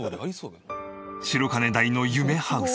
白金台の夢ハウス。